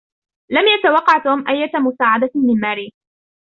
لم يتوقّع توم أيّة مساعدة من ماري.